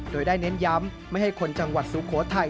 โดยได้เน้นย้ำไม่ให้คนจังหวัดสุโขทัย